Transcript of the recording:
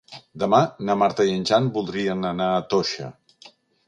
Demà na Marta i en Jan voldrien anar a Toixa.